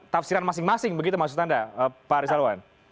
tafsiran masing masing begitu maksud anda pak rizalwan